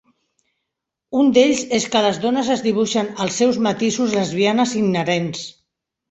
Un d'ells és que les dones es dibuixen als seus matisos lesbianes inherents.